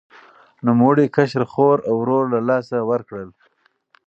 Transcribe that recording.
نوموړي کشره خور او ورور له لاسه ورکړل.